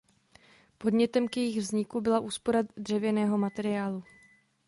Podnětem k jejich vzniku byla úspora dřevěného materiálu.